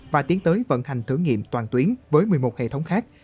và tiến tới vận hành thử nghiệm toàn tuyến với một mươi một hệ thống khác